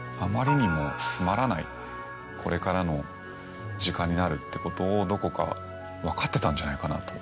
これからの時間になるってことをどこか分かってたんじゃないかなと。